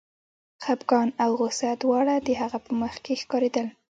خپګان او غوسه دواړه د هغه په مخ کې ښکارېدل